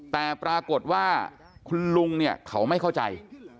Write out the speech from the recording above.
แต่ปรากฏว่าคุณลุงเนี่ยเขาไม่เข้าใจ